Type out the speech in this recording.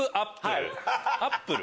アップル？